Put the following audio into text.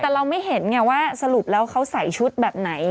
แต่เราไม่เห็นไงว่าสรุปแล้วเขาใส่ชุดแบบไหน